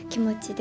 で